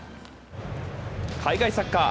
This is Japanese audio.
海外サッカー。